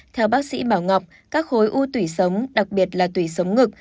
theo bác sĩ bảo ngọc các khối u tủy sống đặc biệt là tủy sống ngực